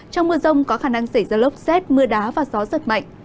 trong mưa rông có khả năng xảy ra lốc xét mưa đá và gió giật mạnh